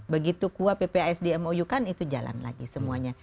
begitu kuat ppas di mou kan itu jalan lagi semuanya